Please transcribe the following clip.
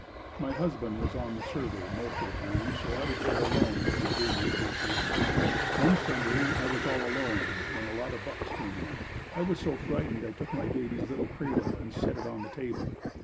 My husband was on the survey most of the time so I was there alone with my baby a great deal. One Sunday I was all alone when a lot of bucks come in I was so frightened I took my baby's little cradle and set it on the table.